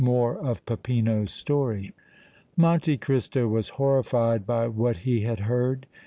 MORE OF PEPPINO'S STORY. Monte Cristo was horrified by what he had heard.